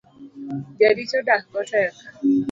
Jaricho dak go tek.